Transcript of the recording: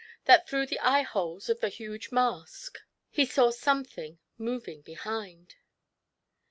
— that through the eye holes of the huge mask he saw something moving behind